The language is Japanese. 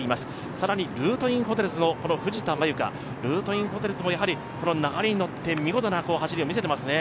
更にルートインホテルズの藤田正由加、ルートインホテルズもこの流れに乗って見事な走りを見せていますね。